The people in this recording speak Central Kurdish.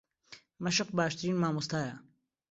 مەشق باشترین مامۆستایە.